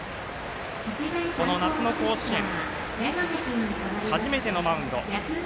夏の甲子園初めてのマウンド